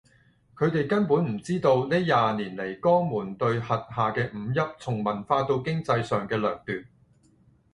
佢哋根本唔知道呢廿年嚟江門對轄下嘅五邑從文化到經濟上嘅掠奪